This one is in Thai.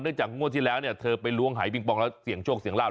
เนื่องจากงวดที่แล้วเธอไปล้วงหายปิงปองแล้วเสี่ยงโชคเสี่ยงลาบ